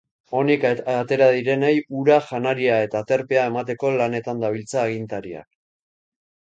Onik atera direnei ura, janaria eta aterpea emateko lanetan dabiltza agintariak.